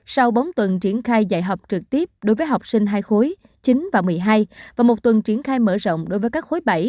sau bốn tuần triển khai dạy học trực tiếp đối với học sinh hai khối chín và một mươi hai và một tuần triển khai mở rộng đối với các khối bảy